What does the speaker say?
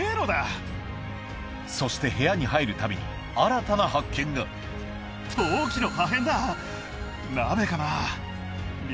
そして部屋に入るたびに新たな発見が鍋かな？